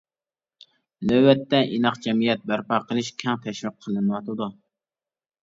نۆۋەتتە ئىناق جەمئىيەت بەرپا قىلىش كەڭ تەشۋىق قىلىنىۋاتىدۇ.